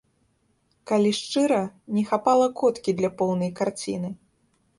Калі шчыра, не хапала коткі для поўнай карціны.